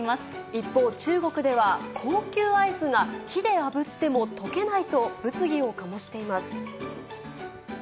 一方、中国では高級アイスが火であぶっても溶けないと物議を醸しています。